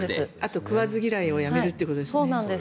あと食わず嫌いをやめるということですね。